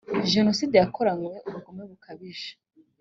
jenoside yakoranywe ubugome bukabije.